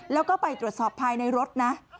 แล้วก็ไปตรวจสอบภายในรถนะ